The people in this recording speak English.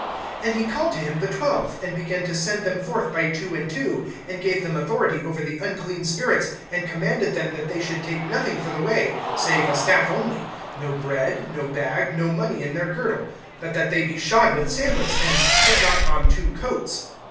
(7)And he called to him the twelve, and began to send them forth by two and two; and gave them authority over the unclean spirits; (8)and commanded them that they should take nothing for the way, save a staff only; no bread, no bag, no money, in their girdle; (9)but that they be shod with sandals and, Put not on two coats.